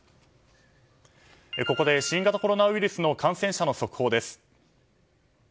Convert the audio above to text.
ここで新型コロナウイルスの感染者の速報です。